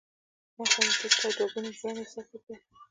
ما سمدستي ستا دوه ګونی ژوند احساس کړ.